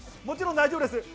もちろん大丈夫です。